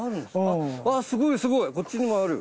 すごいすごいこっちにもある！